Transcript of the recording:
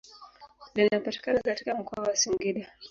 Linapatikana katika mkoa wa Singida.